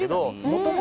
元々。